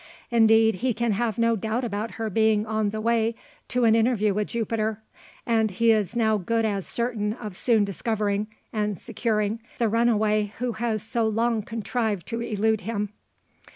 Indeed he can have no doubt about her being on the way to an interview with Jupiter; and he is now good as certain of soon discovering, and securing, the runaway who has so long contrived to elude him.